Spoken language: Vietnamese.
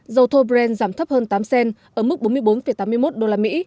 dầu thorbrand giảm thấp hơn tám cent ở mức bốn mươi bốn tám mươi một usd